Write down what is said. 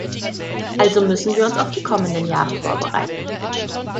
Also müssen wir uns auf die kommenden Jahre vorbereiten.